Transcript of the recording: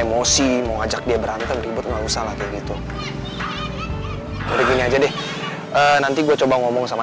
emosi mau ajak dia berantem ribut nggak usah lah kayak gitu dari gini aja deh nanti gue coba ngomong sama